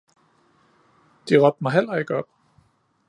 De råbte mig heller ikke op.